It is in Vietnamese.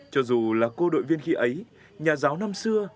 cho dù là cô đội viên khi ấy nhà giáo năm xưa